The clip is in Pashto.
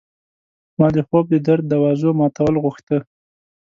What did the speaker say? ما د خوب د در د دوازو ماتول غوښته